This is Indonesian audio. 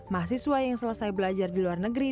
mahasiswa yang selesai belajar di luar negeri